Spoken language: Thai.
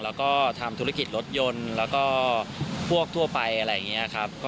แล้วก็ทำธุรกิจรถยนต์แล้วก็พวกทั่วไปอะไรอย่างนี้ครับ